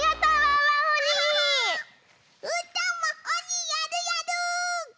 うーたんもおにやるやる！